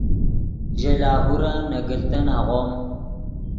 ژے لاہورن نے گلتن آغوم